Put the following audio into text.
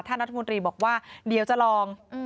ท่านนัทมนตรีบอกว่าเดี๋ยวจะลอง